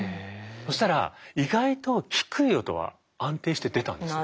そしたら意外と低い音は安定して出たんですよ。